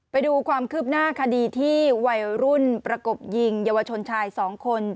ไปดูความคืบหน้าคดีที่วัยรุ่นประกบยิงเยาวชนชาย๒คน